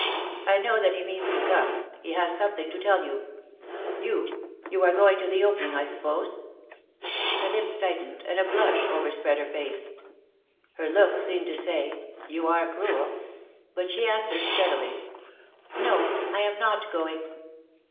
I know that he means to come ; he has something to tell you. You — you are going to the Opening, I suppose ?' Her lips tightened, and a blush overspread her face. Her look seemed to say, *You are cruel;* but she answered steadily :* No, I am not going.'